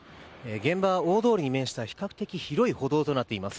現場は大通りに面した比較的広い歩道となっています。